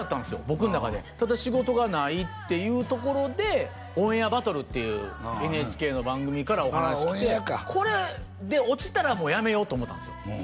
僕の中でただ仕事がないっていうところで「オンエアバトル」っていうＮＨＫの番組からお話来てこれで落ちたらもう辞めようと思ったんすよ